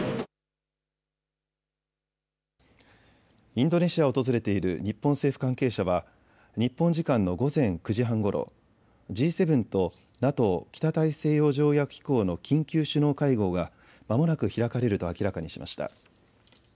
インドネシアを訪れている日本政府関係者は日本時間の午前９時半ごろ、Ｇ７とＮＡＴＯ・北大西洋条約機構の緊急首脳会合がまもなく開かれると明らかにしました。